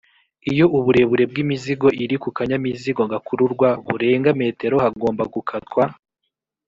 lyo uburebure bw’imizigo iri ku kanyamizigo gakururwa burenga metero hagomba gukatwa